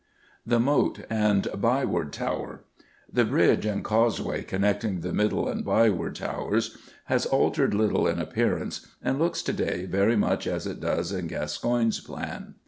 The Moat and Byward Tower. The bridge and causeway connecting the Middle and Byward Towers has altered little in appearance, and looks, to day, very much as it does in Gascoyne's plan.